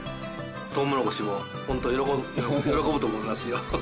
トウモロコシもホント喜ぶと思いますよ。